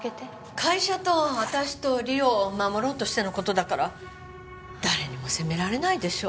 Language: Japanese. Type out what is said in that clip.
会社と私と梨央を守ろうとしてのことだから誰にも責められないでしょ